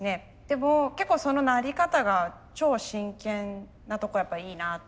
でも結構そのなり方が超真剣なとこやっぱいいなと思って。